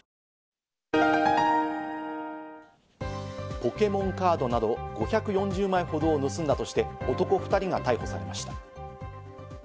ポケモンカードなど５４０枚ほどを盗んだとして、男２人が逮捕されました。